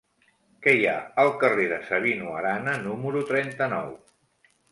Què hi ha al carrer de Sabino Arana número trenta-nou?